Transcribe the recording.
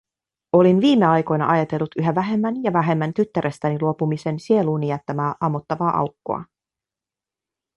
Olin viimeaikoina ajatellut yhä vähemmän ja vähemmän tyttärestäni luopumisen sieluuni jättämää ammottavaa aukkoa.